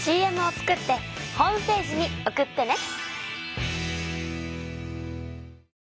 ＣＭを作ってホームページに送ってね！